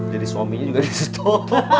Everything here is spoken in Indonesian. jadi suaminya juga di stop